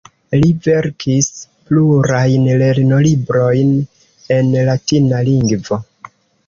Li verkis plurajn lernolibrojn en latina lingvo.